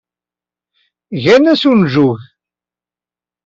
Gan-as unjug.